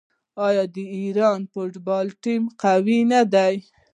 آیا د ایران فوټبال ټیم قوي نه دی؟